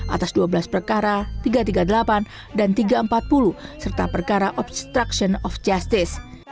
atas dua belas perkara tiga ratus tiga puluh delapan dan tiga ratus empat puluh serta perkara obstruction of justice